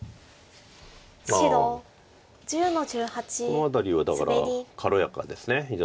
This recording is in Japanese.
この辺りはだから軽やかです非常に。